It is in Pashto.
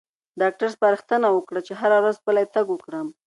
ډاکټر سپارښتنه وکړه چې هره ورځ پلی تګ وکړم.